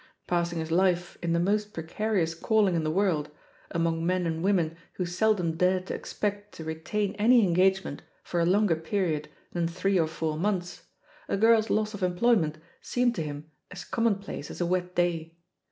Pass ing his life in the most precarious calling in the iworld, among men and women who seldom dared to expect to retain any engagement for a longer period than three or four months, a girl's loss of employment seemed to him as commonplace as a wet day.